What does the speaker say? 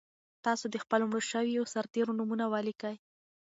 تاسو د خپلو مړو شویو سرتېرو نومونه ولیکئ.